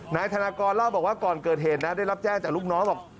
นายธนากรเล่าบอกว่าก่อนเกิดเหตุนะได้รับแจ้งจากลูกน้องบอก